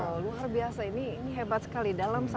wah luar biasa ini hebat sekali